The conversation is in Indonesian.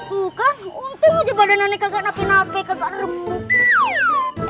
bukan untung aja badan kagak nape nape kagak remuk